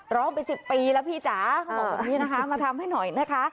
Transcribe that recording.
ร้องไป๑๐ปีแล้วพี่จ๋าเขาบอกแบบนี้นะคะมาทำให้หน่อยนะคะ